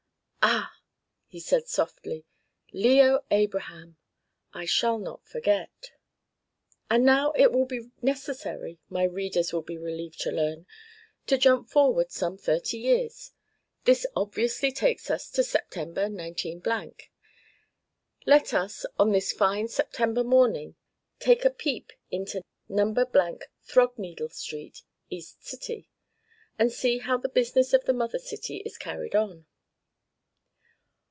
"Ah!" he said softly. "Leo Abraham! I shall not forget!" And now it will be necessary (my readers will be relieved to learn) to jump forward some thirty years. This obviously takes us to September, 19 . Let us, on this fine September morning, take a peep into "No. , Throgneedle Street, E. C.," and see how the business of the mother city is carried on.